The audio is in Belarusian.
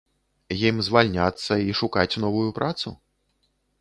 Ім звальняцца і шукаць новую працу?